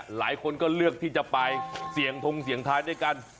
หลายคนก็เลือกที่จะไปเสี่ยงทงเสียงท้ายด้วยกัน